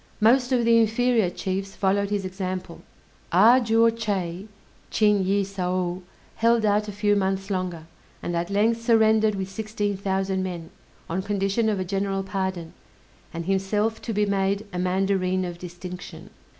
Most of the inferior chiefs followed his example. A juo Chay (Ching yĭh saou) held out a few months longer, and at length surrendered with sixteen thousand men, on condition of a general pardon, and himself to be made a mandarine of distinction.